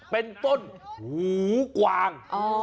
เป็นต้นหูกวาง